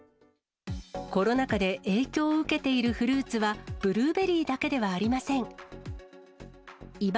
コロナ禍で影響を受けているフルーツは、ブルーベリーだけではありません。